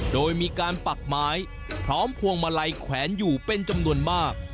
โดยมีการปักไม้พร้อมพวงมาลัยแขวนอยู่เป็นจำนวนมาก